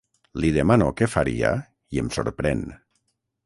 Li demano què faria i em sorprèn.